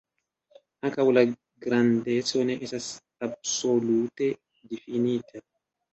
Ankaŭ la grandeco ne estas absolute difinita.